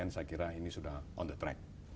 saya kira ini sudah on the track